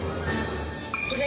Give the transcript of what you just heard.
これ。